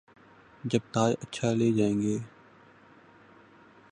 جب تاج اچھالے جائیں گے۔